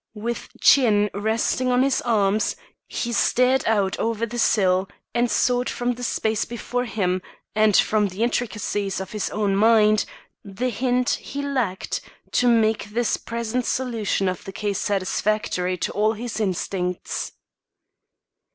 With chin resting on his arms, he stared out over the sill and sought from the space before him, and from the intricacies of his own mind, the hint he lacked to make this present solution of the case satisfactory to all his instincts.